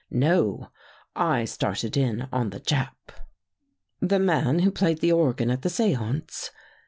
No, I started in on the Jap." " The man who played the organ at the seance?